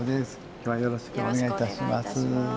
今日はよろしくお願いいたします。